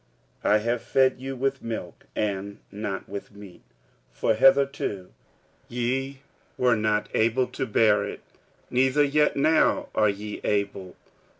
46:003:002 I have fed you with milk, and not with meat: for hitherto ye were not able to bear it, neither yet now are ye able.